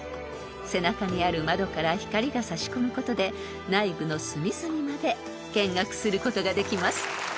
［背中にある窓から光が差し込むことで内部の隅々まで見学することができます］